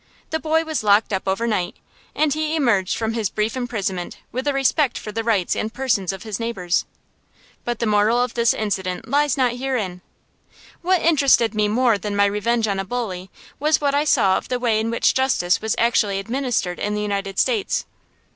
The boy was locked up overnight, and he emerged from his brief imprisonment with a respect for the rights and persons of his neighbors. But the moral of this incident lies not herein. What interested me more than my revenge on a bully was what I saw of the way in which justice was actually administered in the United States.